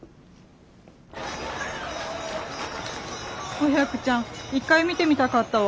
お百ちゃん一回見てみたかったわ。